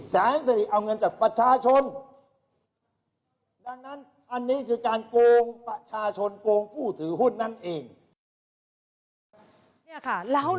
แสงสลิเอาเงินจากประชาชน